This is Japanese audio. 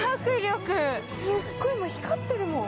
すっごい光ってるもん。